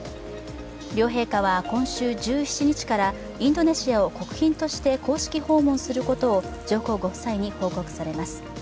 両陛下は今週１７日からインドネシアを国賓として公式訪問することを上皇ご夫妻に報告されます。